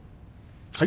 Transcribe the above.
はい。